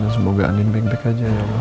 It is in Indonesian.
semoga andi back back aja ya allah